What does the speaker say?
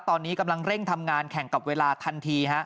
ตอนนี้กำลังเร่งทำงานแข่งกับเวลาทันที